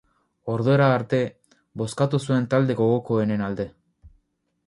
Ordura arte, bozkatu zuen talde gogokoenen alde.